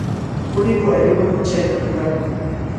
Pulikuq allqunuumi chay nunakaq pulikun.